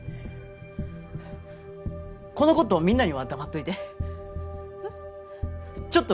このことみんなには黙っといてえっ？